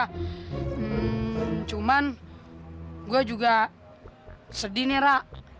hmm cuman gua juga sedih nih ra